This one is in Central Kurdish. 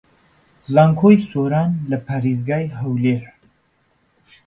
زانکۆی سۆران لە پارێزگای هەولێر